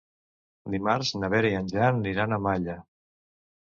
Dimarts na Vera i en Jan aniran a Malla.